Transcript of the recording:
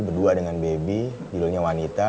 berdua dengan baby judulnya wanita